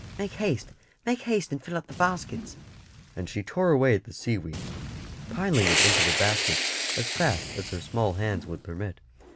"Make haste make haste and fill up the baskets;" and she tore away at the seaweed, piling it into the baskets as fast as her small hands would permit.